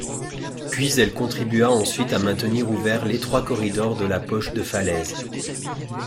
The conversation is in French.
Puis elle contribua ensuite à maintenir ouvert l'étroit corridor de la poche de Falaise.